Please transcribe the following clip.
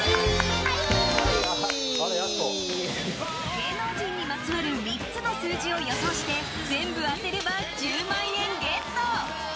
芸能人にまつわる３つの数字を予想して全部当てれば１０万円ゲット！